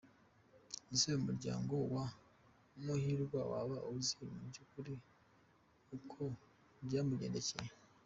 Ese umuryango wa Muhirwa waba uzi mu byukuri uko byamugendeye?